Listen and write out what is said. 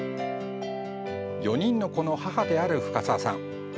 ４人の子の母である深澤さん。